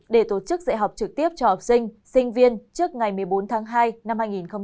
để tổ chức dạy học trực tiếp cho học sinh sinh viên trước ngày một mươi bốn tháng hai năm hai nghìn hai mươi